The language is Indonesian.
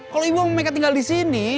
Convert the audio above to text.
kalau ibu mau meka tinggal di sini